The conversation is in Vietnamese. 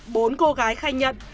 bốn cô gái khai nhận